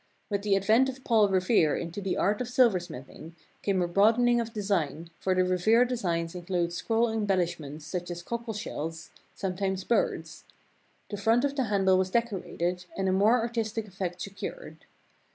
With the advent of Paul Revere into the art of silversmithing came a broad ening of design, for the Revere designs include scroll embellishments such as cockle shells, some times birds; the front of the handle was decorated, and a more artistic effect secured.